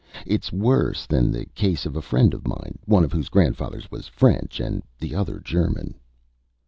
It's worse than the case of a friend of mine, one of whose grandfathers was French and the other German."